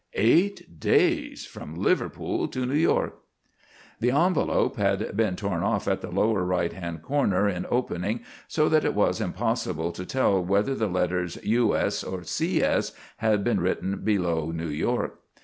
Eight days from Liverpool to New York! The envelop had been torn off at the lower right hand corner in opening, so that it was impossible to tell whether the letters "U.S." or "C.S." had been written below "New York."